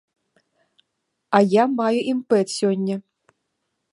А я маю імпэт сёння.